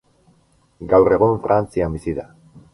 Gaur egun Frantzian bizi da.